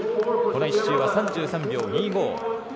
この１周は３３秒２５。